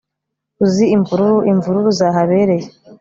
uzi imvururu imvururu zahabereye